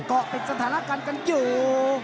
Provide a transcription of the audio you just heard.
เกาะติดสถานกันอยู่